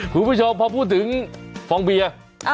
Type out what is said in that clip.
คุณผู้ชมพอพูดถึงฟองเบียร์